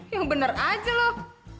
ya bener aja loh